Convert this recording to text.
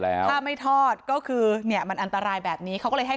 แล้วถ้าไม่ทอดก็คือเนี่ยมันอันตรายแบบนี้เขาก็เลยให้